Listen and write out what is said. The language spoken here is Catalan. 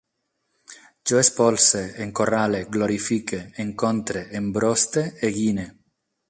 Jo espolse, encorrale, glorifique, encontre, embroste, eguine